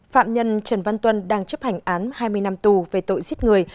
phạm nhân trần văn tuân đang chấp hành án hai mươi năm tù về tội giết người